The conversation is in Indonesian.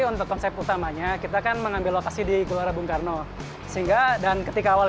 untuk konsep utamanya kita kan mengambil lokasi di gelora bung karno sehingga dan ketika awal